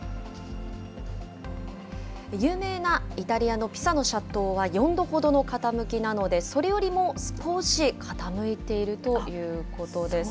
有名なイタリアのピサの斜塔は４度ほどの傾きなので、それよりも少し傾いているということです。